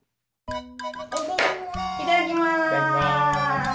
いただきます！